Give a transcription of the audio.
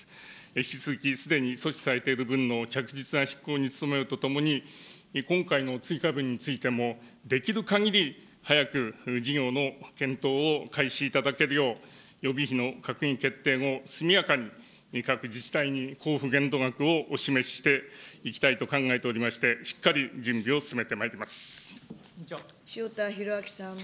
引き続きすでに措置されている分の着実な執行に努めるとともに、今回の追加分についても、できるかぎり早く、事業の検討を開始いただけるよう、予備費の閣議決定後、速やかに、各自治体に交付限度額をお示ししていきたいと考えておりまして、しっかり準備を進塩田博昭さん。